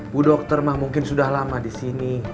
bu dokter mah mungkin sudah lama disini